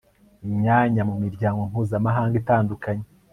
imyanya mu miryango mpuzamahanga itandukanye